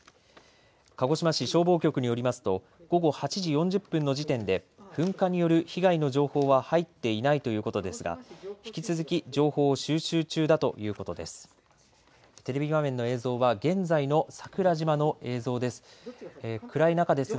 鹿児島市消防局によりますと午後８時４０分の時点で噴火による被害の情報は入っていないということですが引き続き情報を収集中だということです。